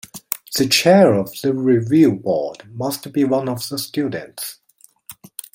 The chair of the Review Board must be one of the students.